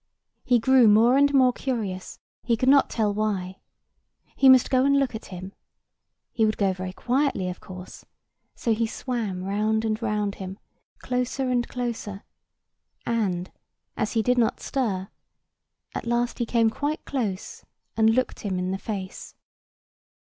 He grew more and more curious, he could not tell why. He must go and look at him. He would go very quietly, of course; so he swam round and round him, closer and closer; and, as he did not stir, at last he came quite close and looked him in the face.